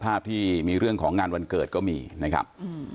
ภาพที่มีเรื่องของงานวันเกิดก็มีนะครับ